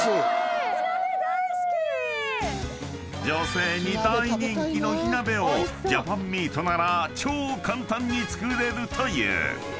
［女性に大人気の火鍋をジャパンミートなら超簡単に作れるという］